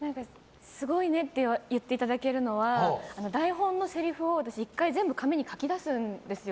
すごいねって言っていただけるのは台本のせりふを１回、全部紙に書きだすんですよ。